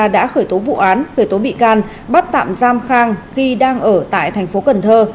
đã khởi tố vụ án khởi tố bị can bắt tạm giam khang khi đang ở tại thành phố cần thơ